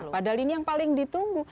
padahal ini yang paling ditunggu